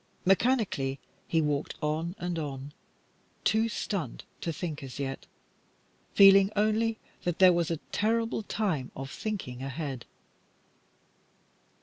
Mechanically he walked on and on, too stunned to think as yet, feeling only that there was a terrible time of thinking ahead.